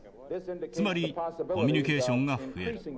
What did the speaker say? つまりコミュニケーションが増える。